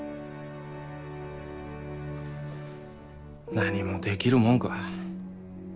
何もできるもんか。